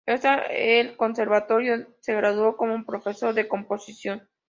En el Conservatorio se graduó como profesor de composición.